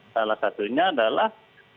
salah satunya adalah